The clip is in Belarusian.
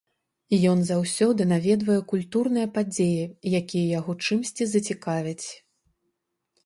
Ён заўсёды наведвае культурныя падзеі, якія яго чымсьці зацікавяць.